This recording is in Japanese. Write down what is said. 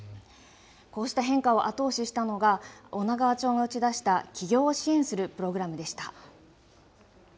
こうした変化を後押ししたのが、女川町の打ち出した起業を支援するプログラムでした。